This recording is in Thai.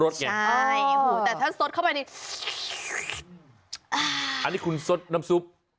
ใช่แต่ถ้าซดเข้ามาเลยอันนี้คุณซดน้ำซุป